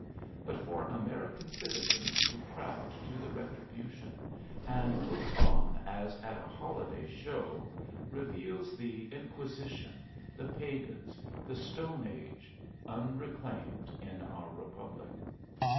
But for American citizens to crowd to the retribution, and look on as at a holiday show, reveals the Inquisition, the Pagans, the Stone Age, unreclaimed in our republic.